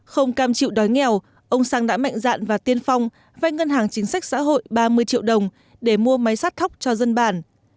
không cam chịu đói nghèo ông sang đã mạnh dạn và tiên phong vay ngân hàng chính sách xã hội ba mươi triệu đồng để mua máy sát thóc cho dân bản